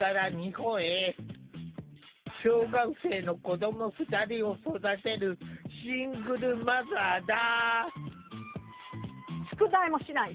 小学生の子ども２人を育てるシングルマザーだ。